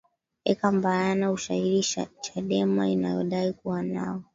eka mbayana ushahidi chadema inayodai kuwa nao